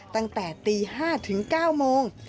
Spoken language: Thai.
ตั้งแต่ตี๕ถึง๙โมง